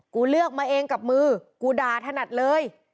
กูเลือกมาเองกับมือกูด่าถนัดเลย